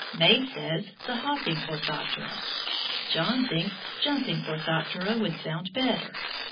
May says, the Hopping Orthoptera. John thinks Jumping Orthoptera would sound better.